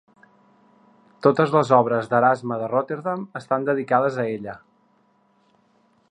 Totes les obres d'Erasme de Rotterdam estan dedicades a ella.